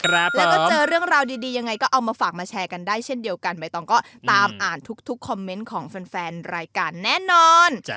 แล้วก็เจอเรื่องราวดียังไงก็เอามาฝากมาแชร์กันได้เช่นเดียวกันใบตองก็ตามอ่านทุกคอมเมนต์ของแฟนรายการแน่นอน